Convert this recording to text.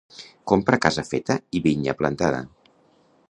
Compra casa feta i vinya plantada.